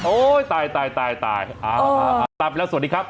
ตายตายตายไปแล้วสวัสดีครับ